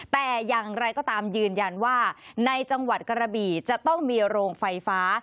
แต่อย่างไรก็ตามยืนยันว่าในจังหวัดกระบี่จะต้องมีโรงไฟฟ้า